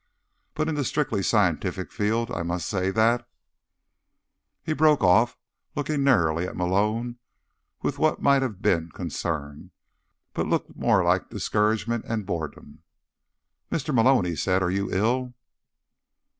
But in the strictly scientific field, I must say that—" He broke off, looking narrowly at Malone with what might have been concern, but looked more like discouragement and boredom. "Mr. Malone," he said, "are you ill?"